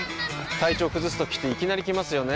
体調崩すときっていきなり来ますよね。